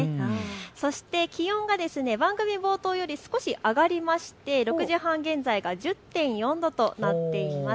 そして気温が番組冒頭より少し上がりまして６時半現在が１０．４度となっています。